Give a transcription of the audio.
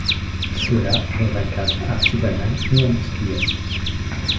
Cela dans un cadre artisanal ou industriel.